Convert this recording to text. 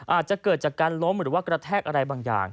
อาจจะเกิดจากการล้มหรือว่ากระแทกอะไรบางอย่าง